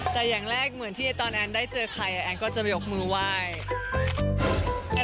แต่อย่างแรกเหมือนที่ตอนแอนได้เจอใครแอนก็จะไปยกมือไหว้